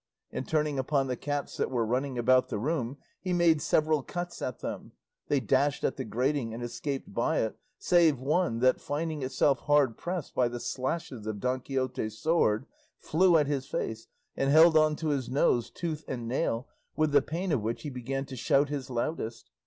And turning upon the cats that were running about the room, he made several cuts at them. They dashed at the grating and escaped by it, save one that, finding itself hard pressed by the slashes of Don Quixote's sword, flew at his face and held on to his nose tooth and nail, with the pain of which he began to shout his loudest.